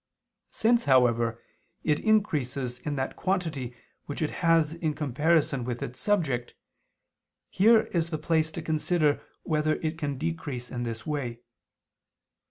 Since, however, it increases in that quantity which it has in comparison with its subject, here is the place to consider whether it can decrease in this way.